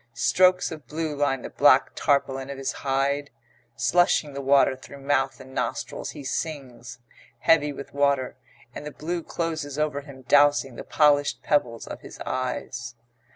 Strokes of blue line the black tarpaulin of his hide. Slushing the water through mouth and nostrils he sings, heavy with water, and the blue closes over him dowsing the polished pebbles of his eyes.